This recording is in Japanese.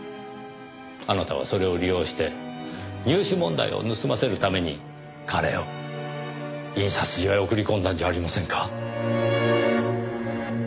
あなたはそれを利用して入試問題を盗ませるために彼を印刷所へ送り込んだんじゃありませんか？